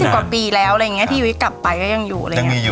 ๒๐กว่าบีแล้วที่ยุ้ยกลับไปก็ยังอยู่